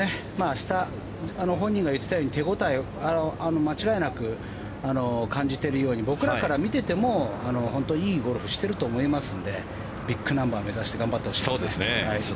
明日、本人が言っていたように手応えは間違いなく感じてるように僕らから見てても本当、いいゴルフしてると思いますのでビッグナンバーを目指して頑張ってほしいです。